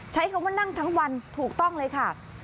ใช้คำว่านั่งทั้งวันถูกต้องเลยค่ะ